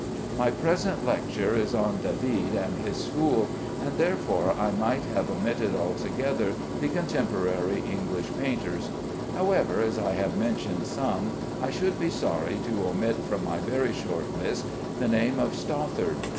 My present lecture is on David and his school, and therefore I might have omitted altogether the contemporary English painters. However, as I have mentioned some, I should be sorry to omit from my very short list the name of Stothard.